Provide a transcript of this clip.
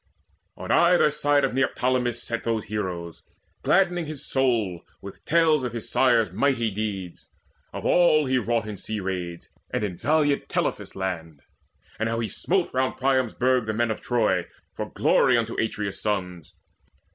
On either side of Neoptolemus sat Those heroes, gladdening his soul with tales Of his sire's mighty deeds of all he wrought In sea raids, and in valiant Telephus' land, And how he smote round Priam's burg the men Of Troy, for glory unto Atreus' sons.